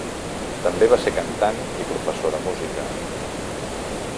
També va ser cantant i professor de música.